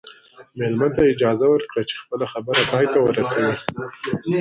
مېلمه ته اجازه ورکړه چې خپله خبره پای ته ورسوي.